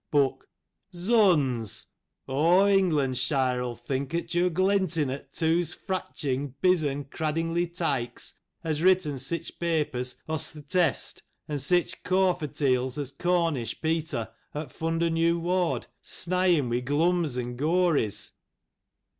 " Book : Zuns ! Aw Englanshire '11 think at yo'r glentin' at toose fratchin', byz^n, eraddlinly tykes as write'n sich papers as th' Test, an sich cawve tales as Co rnish Peter, at fund a new ward, snyin' wi' glums an gawries.